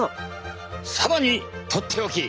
更にとっておき。